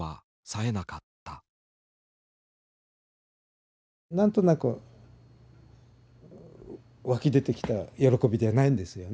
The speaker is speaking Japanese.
何となく湧き出てきた喜びじゃないんですよね。